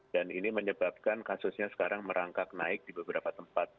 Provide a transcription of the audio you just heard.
dan ini menyebabkan kasusnya sekarang merangkak naik di beberapa tempat